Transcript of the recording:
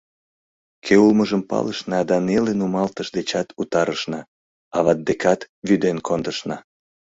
Кӧ улмыжым палышна да неле нумалтыш дечат утарышна, ават декат вӱден кондышна».